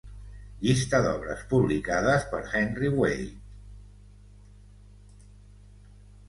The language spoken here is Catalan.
Llista d'obres publicades per "Henry Wade".